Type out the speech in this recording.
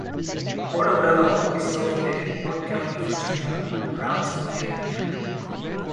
Porto Bello is located in York County, Virginia on the grounds of Camp Peary.